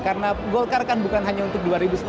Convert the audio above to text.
karena golkar kan bukan hanya untuk dua ribu sembilan belas